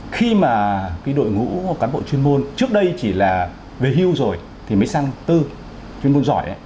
khi mà cái đội ngũ cán bộ chuyên môn trước đây chỉ là về hưu rồi thì mới sang tư chuyên môn giỏi